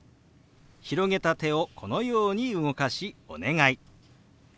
広げた手をこのように動かし「お願い」。